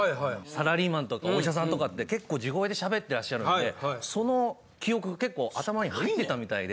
サラリーマンとかお医者さんとかって結構地声で喋ってらっしゃるんでその記憶結構頭に入ってたみたいで。